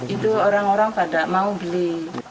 itu orang orang pada mau beli